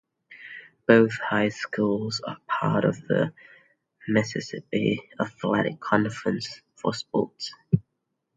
Both high schools are part of the Mississippi Athletic Conference for sports.